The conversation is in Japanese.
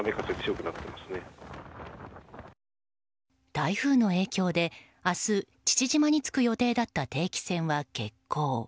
台風の影響で、明日父島に着く予定だった定期船は欠航。